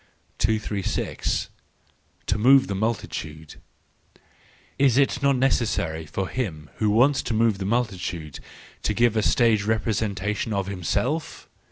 THE JOYFUL WISDOM, III 203 236. To Move the Multitude .—Is it not necessary for him who wants to move the multitude to give a stage representation of himself?